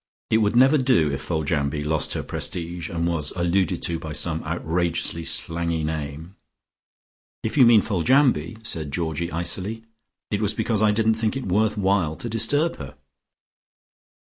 It would never do if Foljambe lost her prestige and was alluded to by some outrageously slangy name. "If you mean Foljambe," said Georgie icily, "it was because I didn't think it worth while to disturb her."